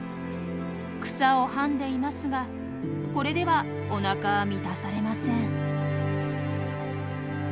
草をはんでいますがこれではおなかは満たされません。